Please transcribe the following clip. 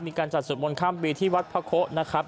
มีการจัดสวดมนต์ข้ามปีที่วัดพระโคนะครับ